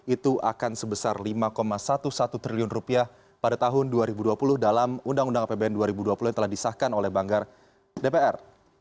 itu akan sebesar lima sebelas triliun rupiah pada tahun dua ribu dua puluh dalam undang undang apbn dua ribu dua puluh yang telah disahkan oleh banggar dpr